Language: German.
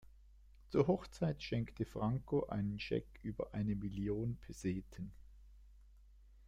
Zur Hochzeit schenkte Franco einen Scheck über eine Million Peseten.